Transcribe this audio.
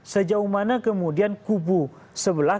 sejauh mana kemudian kubu sebelah